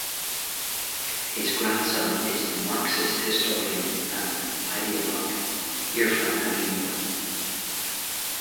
His grandson is the Marxist historian and ideologue Irfan Habib.